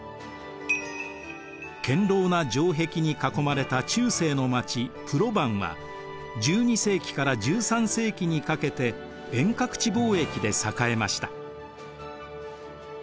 堅ろうな城壁に囲まれた中世の街プロヴァンは１２世紀から１３世紀にかけて遠隔地貿易で栄えました。